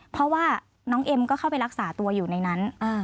เพราะว่าน้องเอ็มก็เข้าไปรักษาตัวอยู่ในนั้น